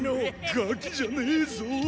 ガキじゃねえぞ。